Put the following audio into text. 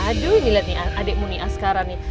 aduh ngeliat nih adikmu nih sekarang nih